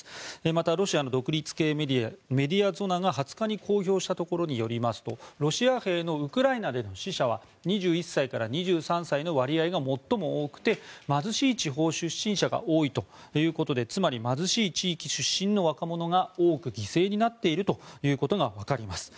また、ロシアの独立系メディアメディアゾナが２０日に公表したところによりますとロシア兵のウクライナでの死者は２１歳から２３歳の割合が最も多くて、貧しい地方出身者が多いということでつまり貧しい地域出身の若者が多く犠牲になっていることがわかります。